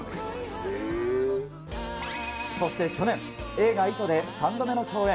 そして去年、映画、糸で３度目の共演。